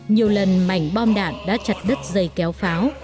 nhiều lần mảnh bom đạn đã chặt đứt dây kéo pháo